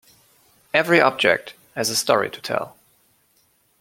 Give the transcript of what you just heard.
Every object has a story to tell.